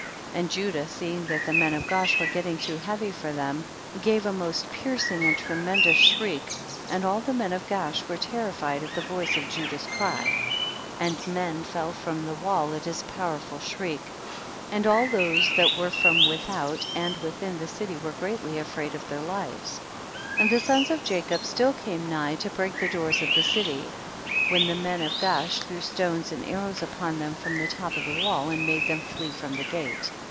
19. And Judah, seeing that the men of Gaash were getting too heavy for them, gave a most piercing and tremendous shriek and all the men of Gaash were terrified at the voice of Judah's cry, and men fell from the wall at his powerful shriek, and all 118 THE BOOK OF JASHER. those that were from without and within the city were greatly afraid of their Hves. 20. And the sons of Jacob still came nigh to break the doors of the city, when the men of Gaash threw stones and arrows upon them from the top of the wall, and made them flee from the gate.